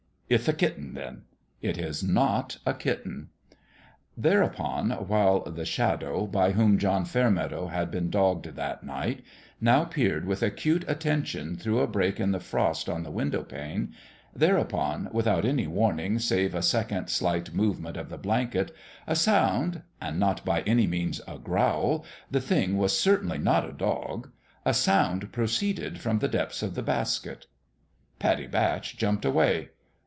" Ith a kitten, then/' " It is not a kitten !" Thereupon while the Shadow, by whom John Fairmeadow had been dogged that night, now peered with acute attention through a break in the frost on the window pane thereupon, with out any warning save a second slight movement of the blanket, a sound and not by any means a growl the thing was certainly not a dog a sound proceeded from the depths of the basket. Pattie Batch jumped away.